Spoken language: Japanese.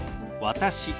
「私」。